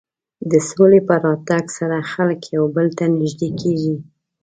د سولې په راتګ سره خلک یو بل ته نژدې کېږي.